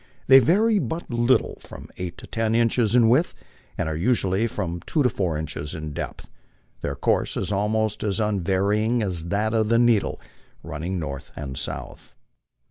They vary but little from eight to ten inches in width, and are usually from two to four inches in depth ; their course is almost as unvarying as that of the needle, running north and south.